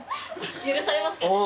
許されますかね？